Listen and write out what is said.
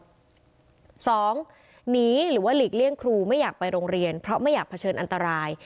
สองหนีหรือว่าหลีกเลี่ยงครูไม่อยากไปโรงเรียนเพราะไม่อยากเผชิญอันตราย